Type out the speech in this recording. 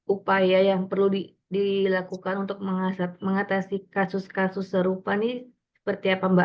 upaya yang perlu dilakukan untuk mengatasi kasus kasus serupa ini seperti apa mbak